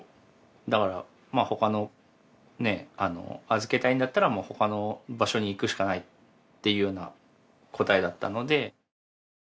だから他の預けたいんだったら他の場所に行くしかないっていうような答えだったので。